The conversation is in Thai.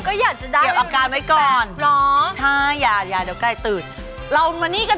เก็บอาการไว้ก่อน